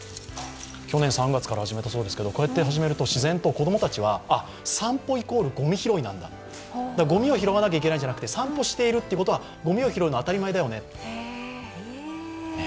去年３月から始めたそうですが自然と子供たちは、散歩＝ごみ拾いなんだごみを拾わなきゃいけないんじゃなくて、散歩しているということはごみを拾うのは当たり前だよね。